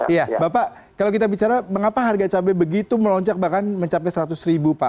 iya bapak kalau kita bicara mengapa harga cabai begitu melonjak bahkan mencapai seratus ribu pak